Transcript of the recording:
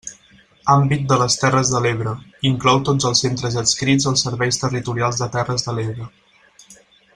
Àmbit de les Terres de l'Ebre: inclou tots els centres adscrits als Serveis Territorials de Terres de l'Ebre.